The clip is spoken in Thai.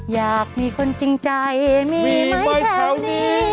อยากมีคนจริงใจมีไหมแถวนี้